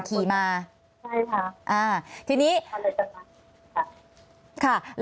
อันดับที่สุดท้าย